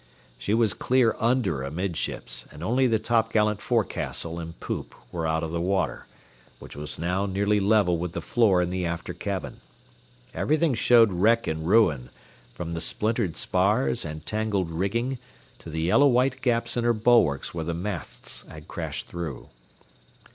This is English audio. She was clear under amidships, and only the topgallant forecastle and poop were out of water, which was now nearly level with the floor in the after cabin. Everything showed wreck and ruin, from the splintered spars and tangled rigging to the yellow white gaps in her bulwarks where the masts had crashed through.